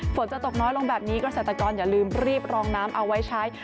ฝนจะตกน้อยลงแบบนี้เกษตรกรอย่าลืมรีบรองน้ำเอาไว้ใช้